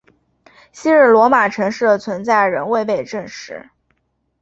昔日罗马城市的存在仍未被证实。